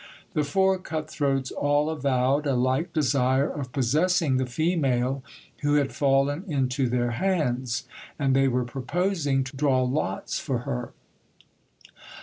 The four cut throats all avowed a like desire of pos sessing the female who had fallen into their hands ; and they were proposing to draw lots for her.